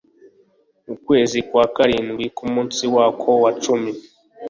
Mu kwezi kwa karindwi ku munsi wako wa cumi